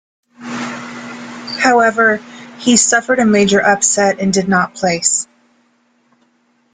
However, he suffered a major upset and did not place.